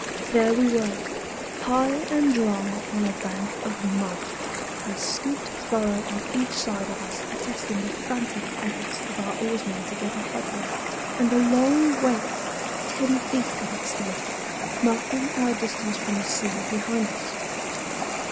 There we were, high and dry on a bank of mud, a scooped furrow on each side of us attesting the frantic efforts of our oarsmen to get a headway, and a long wake, ten feet in extent, marking our distance from the sea behind us.